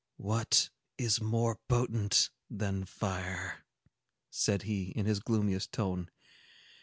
"What is more potent than fire!" said he, in his gloomiest tone.